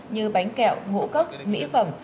như bánh kẹo ngũ cốc mỹ phẩm